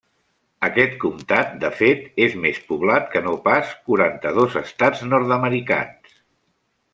Aquest comtat, de fet, és més poblat que no pas quaranta-dos estats nord-americans.